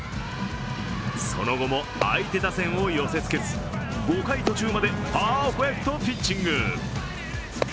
その後も相手打線を寄せつけず、５回途中までパーフェクトピッチング。